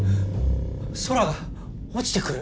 空が落ちてくる！？